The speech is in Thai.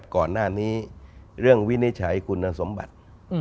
ก่อนหน้านี้เรื่องวินิจฉัยคุณสมบัติ